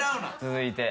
続いて。